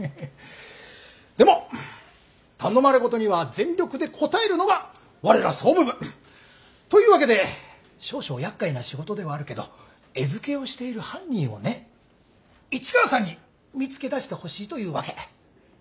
でも頼まれ事には全力で応えるのが我ら総務部。というわけで少々やっかいな仕事ではあるけど餌付けをしている犯人をね市川さんに見つけ出してほしいというわけ。